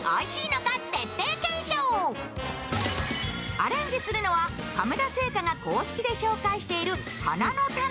アレンジするのは亀田製菓が公式で紹介している花の種。